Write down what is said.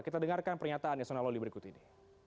kita dengarkan pernyataan yasona lawli berikut ini